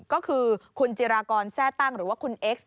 ก็คือคุณจิรากรแทร่ตั้งหรือว่าคุณเอ็กซ